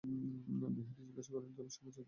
বিহারী জিজ্ঞাসা করিল, তুমি সঙ্গে যাইতেছ?